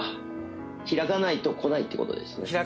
開かないとこないってことですね。